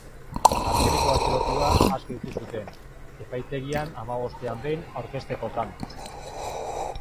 Azkeneko atxilotua aske utzi zuten, epaitegian hamabostean behin aurkeztekotan.